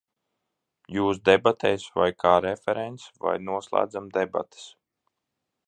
Jūs debatēs vai kā referents, vai noslēdzam debates?